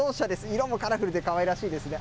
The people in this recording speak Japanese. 色もカラフルでかわいらしいですね。